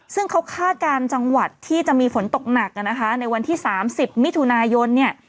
ซึ่งเขาคาดการณ์จังหวัดที่จะมีฝนตกหนักนะคะในวันที่๓๐มิถุนายนเนี่ย